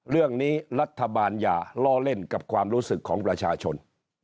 เรื่องนี้รัฐบาลอย่าล่อเล่นกับความรู้สึกของประชาชน